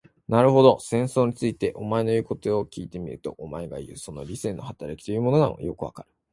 なるほど、戦争について、お前の言うことを聞いてみると、お前がいう、その理性の働きというものもよくわかる。